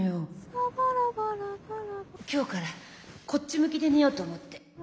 「サバラバラバラバ」今日からこっち向きで寝ようと思って。